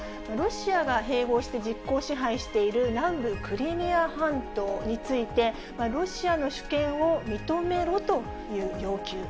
ロシアが併合して実効支配している南部クリミア半島について、ロシアの主権を認めろという要求。